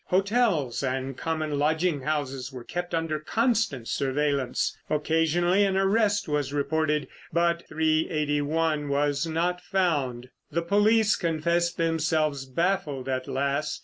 Hotels and common lodging houses were kept under constant surveillance. Occasionally an arrest was reported—but 381 was not found. The police confessed themselves baffled at last.